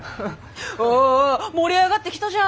おお盛り上がってきたじゃん！